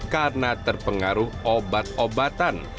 karena terpengaruh obat obatan